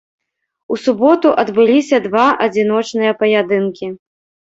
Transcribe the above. У суботу адбыліся два адзіночныя паядынкі.